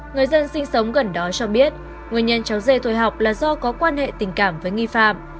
người dân sinh sống gần đó cho biết nguyên nhân cháu dê thôi học là do có quan hệ tình cảm với nghi phạm